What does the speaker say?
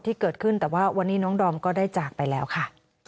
ที่เกิดขึ้นแต่ว่าวันนี้น้องดอมก็ได้จากไปแล้วค่ะ